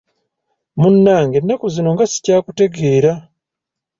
Munnange ennaku zino nga sikyakutegeera!